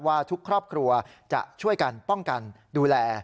ว่าทุกครอบครัวจะช่วยกันป้องกันดูแล